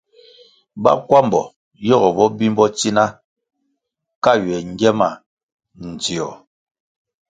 Bakwambo yogo bo bimbo tsina ka ywe ngie ma ndzio.